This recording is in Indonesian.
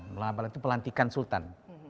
penabalan itu pelantikan sultan